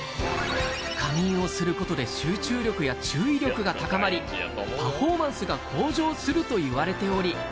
仮眠をすることで集中力や注意力が高まり、パフォーマンスが向上すると言われており。